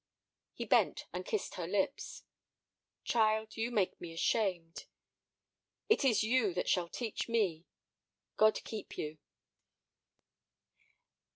He bent, and kissed her lips. "Child, you make me ashamed. It is you that shall teach me. God keep you!"